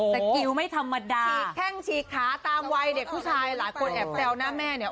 สกิลไม่ธรรมดาฉีกแข้งฉีกขาตามวัยเด็กผู้ชายหลายคนแอบแซวหน้าแม่เนี่ย